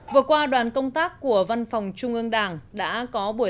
vừa qua đoàn công tác của văn phòng trung ương đảng đã có buổi